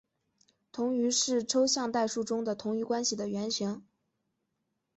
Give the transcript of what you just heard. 同余是抽象代数中的同余关系的原型。